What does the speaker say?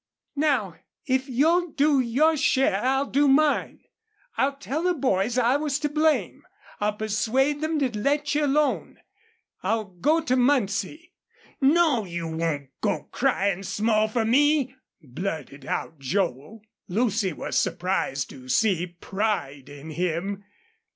Now, if you'll do your share I'll do mine. I'll tell the boys I was to blame. I'll persuade them to let you alone. I'll go to Muncie " "No you won't go cryin' small fer me!" blurted out Joel. Lucy was surprised to see pride in him.